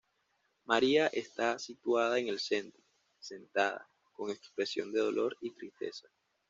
María está situada en el centro, sentada, con expresión de dolor y tristeza.